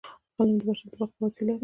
علم د بشر د بقاء وسیله ده.